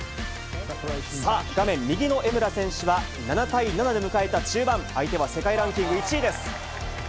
さあ、画面右の江村選手は、７対７で迎えた中盤、相手は世界ランキング１位です。